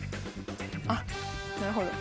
あっなるほど。